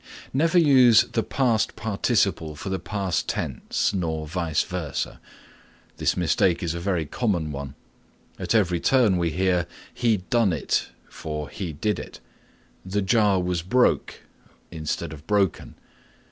(2) Never use the past participle for the past tense nor vice versa. This mistake is a very common one. At every turn we hear "He done it" for "He did it." "The jar was broke" instead of broken.